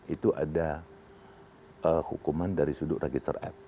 itu ada hukuman dari sudut register f